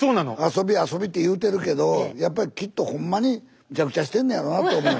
遊び遊びって言うてるけどやっぱりきっとほんまにむちゃくちゃしてんねんやろなと思う。